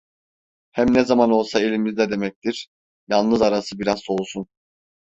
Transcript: Hem ne zaman olsa elimizde demektir, yalnız arası biraz soğusun!